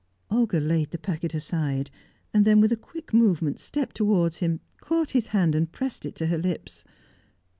Olga laid the packet aside; then, with a quick movement, stepped towards him, caught his hand, pressed it to her lips.